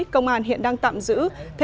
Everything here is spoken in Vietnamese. công an hiện đang tạm giữ